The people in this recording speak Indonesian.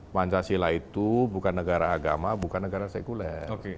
pancasila itu bukan negara agama bukan negara sekuler